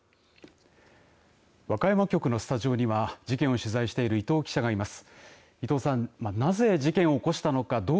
和歌山局のスタジオには事件を取材している伊藤記者がいます。